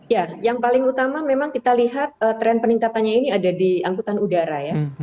ya yang paling utama memang kita lihat tren peningkatannya ini ada di angkutan udara ya